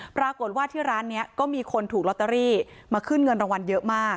ปรากฏว่าที่ร้านนี้ก็มีคนถูกลอตเตอรี่มาขึ้นเงินรางวัลเยอะมาก